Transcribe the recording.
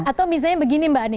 atau misalnya begini mbak ani